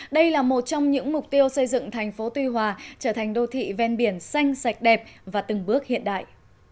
đây là một trong những mục tiêu xây dựng thành phố tuy hòa trở thành đô thị ven biển xanh sạch đẹp và từng bước hiện đại